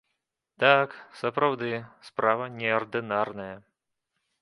Так, сапраўды, справа неардынарная.